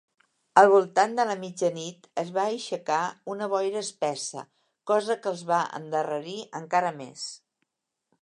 Al voltant de la mitja nit es va aixecar una boira espessa, cosa que els va endarrerir encara més.